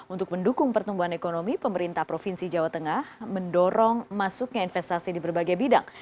untuk mendukung pertumbuhan ekonomi pemerintah provinsi jawa tengah mendorong masuknya investasi di berbagai bidang